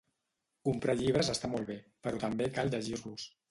Comprar llibres está molt bé, peró també cal llegir-los.